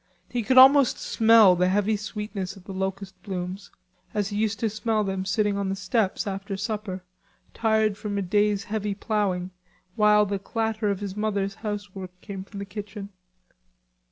He could almost smell the heavy sweetness of the locust blooms, as he used to smell them sitting on the steps after supper, tired from a day's heavy plowing, while the clatter of his mother's housework came from the kitchen.